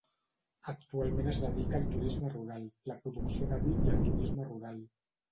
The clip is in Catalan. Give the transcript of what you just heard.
Actualment es dedica al turisme rural, la producció de vi i el turisme rural.